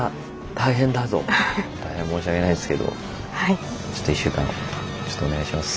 大変申し訳ないですけど１週間ちょっとお願いします。